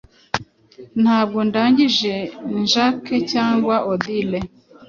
Ntabwo ndangije njake cyangwa odile